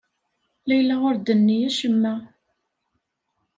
Layla ur d-tenni acemma.